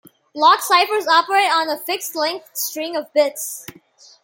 Block ciphers operate on a fixed length string of bits.